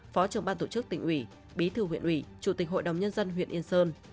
phó trưởng ban tổ chức tỉnh ủy bí thư huyện ủy chủ tịch hội đồng nhân dân huyện yên sơn